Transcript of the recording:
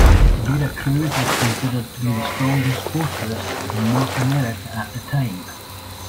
Veracruz was considered to be the strongest fortress in North America at the time.